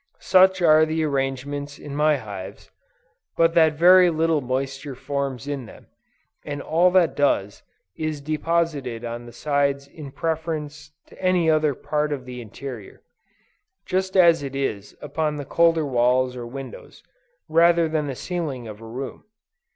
Such are the arrangements in my hives, that but very little moisture forms in them, and all that does, is deposited on the sides in preference to any other part of the interior; just as it is upon the colder walls or windows, rather than the ceiling of a room.